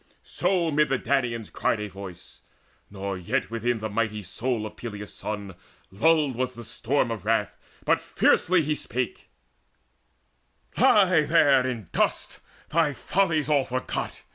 So mid the Danaans cried a voice: nor yet Within the mighty soul of Peleus' son Lulled was the storm of wrath, but fiercely he spake: "Lie there in dust, thy follies all forgot!